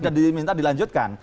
dan diminta dilanjutkan